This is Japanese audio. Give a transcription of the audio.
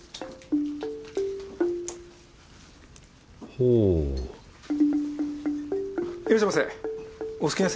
ほぉいらっしゃいませ。